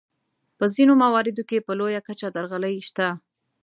په ځینو مواردو کې په لویه کچه درغلۍ شته.